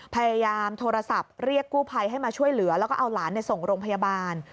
พยายามโทรศัพท์เรียกกู้ภัยให้มาช่วยเหลือแล้วก็เอาหลานส่งโรงพยาบาล